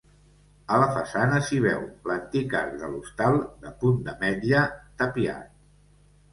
A la façana s'hi veu l'antic arc de l'hostal, de punt d'ametlla, tapiat.